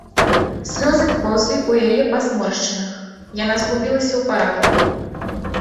Слёзы папаўзлі ў яе па зморшчынах; яна згубілася ў парадку.